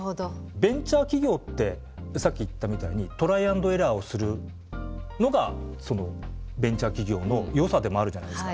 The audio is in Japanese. ベンチャー企業ってさっき言ったみたいにトライアンドエラーをするのがベンチャー企業のよさでもあるじゃないですか。